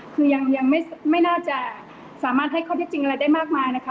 คือยังไม่น่าจะสามารถให้ข้อที่จริงอะไรได้มากมายนะคะ